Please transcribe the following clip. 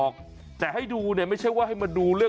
กันดีไหม